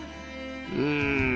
うん。